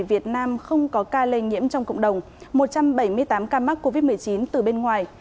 việt nam không có ca lây nhiễm trong cộng đồng một trăm bảy mươi tám ca mắc covid một mươi chín từ bên ngoài